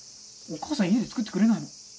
お母さん家で作ってくれないの？